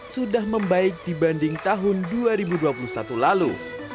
sudah membaik dibanding tahun dua ribu dua puluh satu lalu